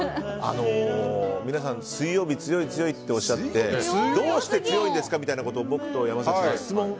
皆さん、水曜日が強い強いとおっしゃってどうして強いんですかみたいなことを山崎さん。